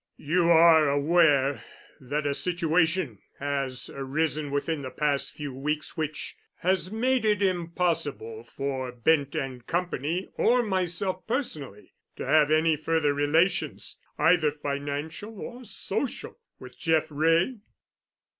"You are aware that a situation has arisen within the past few weeks which has made it impossible for Bent & Company or myself personally to have any further relations, either financial or social, with Jeff Wray?